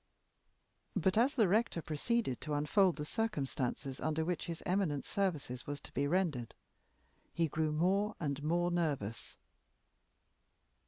But as the rector proceeded to unfold the circumstances under which his eminent service was to be rendered, he grew more and more nervous.